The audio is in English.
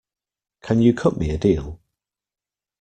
Can you cut me a deal?